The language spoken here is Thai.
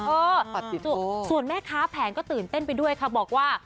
ส่วนแม่ค้าแผงก็ตื่นเต้นไปด้วยค่ะบอกว่า